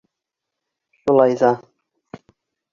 Шулай ҙа...